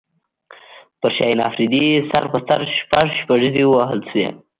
پر شاهین افریدي سر په سر شپږ شپږیزې ووهل شوې